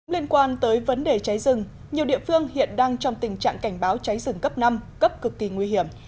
liên quan tới vấn đề cháy rừng nhiều địa phương hiện đang trong tình trạng cảnh báo cháy rừng cấp năm cấp cực kỳ nguy hiểm